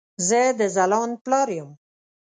زه د ځلاند پلار يم